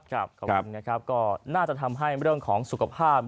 ขอบคุณนะครับก็น่าจะทำให้เรื่องของสุขภาพ